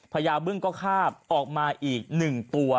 ญาบึ้งก็คาบออกมาอีก๑ตัว